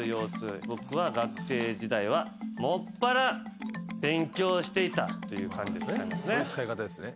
僕は学生時代は専ら勉強していたという感じで使いますね。